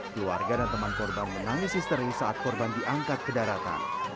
keluarga dan teman korban menangis histeri saat korban diangkat ke daratan